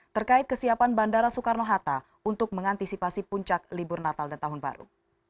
terkait kesiapan bandara soekarno hatta untuk mengantisipasi puncak libur natal dan tahun baru